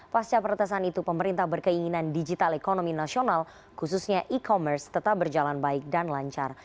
pasca pertesan itu pemerintah berkeinginan digital ekonomi nasional khususnya e commerce tetap berjalan baik dan lancar